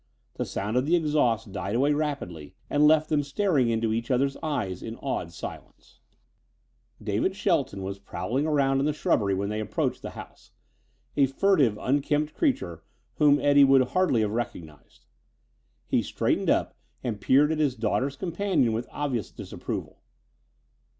The sound of the exhaust died away rapidly and left them staring into each other's eyes in awed silence. David Shelton was prowling around in the shrubbery when they approached the house a furtive, unkempt creature whom Eddie would hardly have recognized. He straightened up and peered at his daughter's companion with obvious disapproval.